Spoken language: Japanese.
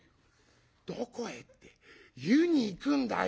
「『どこへ？』って湯に行くんだよ。